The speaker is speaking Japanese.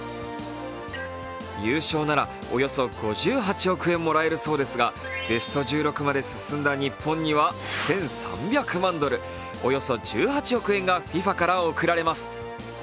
優勝ならおよそ５８億円もらえるそうですがベスト１６まで進んだ日本には１３００万ドル、およそ１８億円がＦＩＦＡから贈られます。